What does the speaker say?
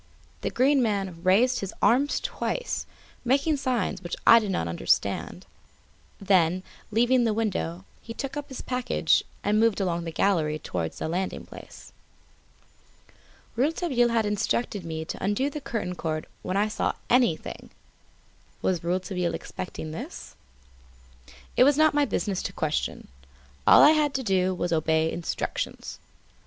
The Green Man raised his arms twice, making signs which I did not understand; then, leaving the window, he again took up his package and moved along the gallery towards the landing place. Rouletabille had instructed me to undo the curtain cord when I saw anything. Was Rouletabille expecting this? It was not my business to question. All I had to do was obey instructions.